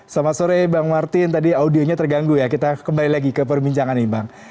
selamat sore bang martin tadi audionya terganggu ya kita kembali lagi ke perbincangan nih bang